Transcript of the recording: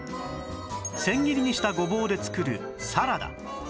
千切りにしたごぼうで作るサラダ